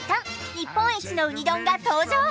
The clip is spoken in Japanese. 日本一のうに丼が登場！